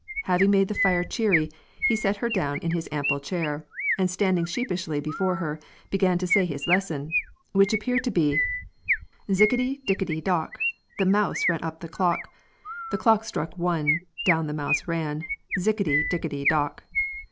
Having made the fire cheery, he set her down in his ample chair, and standing sheepishly before her, began to say his lesson, which happened to be, "Ziccotty, diccotty, dock, the mouse ran up the clock; the clock struck one, down the mouse ran, ziccotty, diccotty, dock."